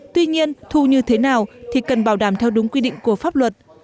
tuy nhiên thu như thế nào thì cần bảo đảm theo đúng quy định của pháp luật